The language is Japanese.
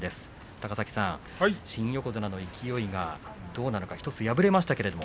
高崎さん、新横綱の勢いがどうなるか１つ敗れましたけれども。